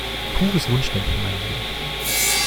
Pures Wunschdenken, mein Lieber!